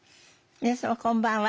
皆様こんばんは。